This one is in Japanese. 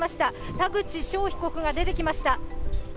田口翔被告が出てきました。